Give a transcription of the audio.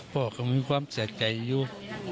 พ่อก็มีความเสียใจอยู่